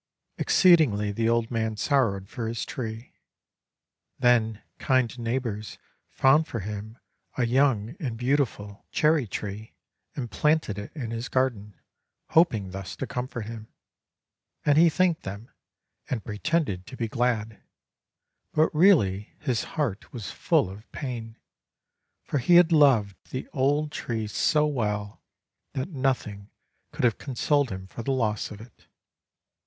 Exceedingly the old man sorrowed for his tree. Then kind neighbors found for him a young and beautiful 463 JAPAN cherry tree, and planted it in his garden, — hoping thus to comfort him. And he thanked them, and pre tended to be glad. But really his heart was full of pain; for he had loved the old tree so well that nothing could have consoled him for the loss of it.